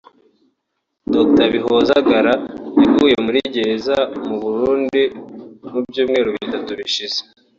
Dr Bihozagara yaguye muri gereza mu Burundi mu byumweru bitatu bishize